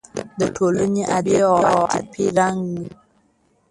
د ټولنې ادبي او عاطفي رنګ